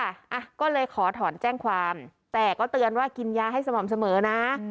อ่ะก็เลยขอถอนแจ้งความแต่ก็เตือนว่ากินยาให้สม่ำเสมอนะ